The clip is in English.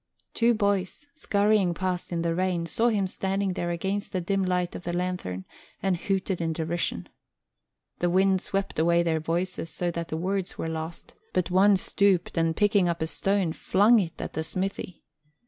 Two boys, scurrying past in the rain, saw him standing there against the dim light of the lanthorn, and hooted in derision. The wind swept away their voices so that the words were lost, but one stooped and, picking up a stone, flung it at the smithy.